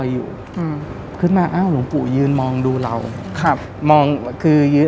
อยู่อืมขึ้นมาอ้าวหลวงปู่ยืนมองดูเราครับมองคือยืน